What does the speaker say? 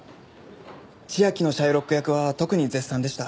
千明のシャイロック役は特に絶賛でした。